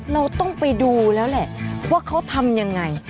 เราต้องไปดูแล้วแหละว่าเขาทำยังไง